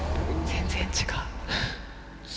全然違う。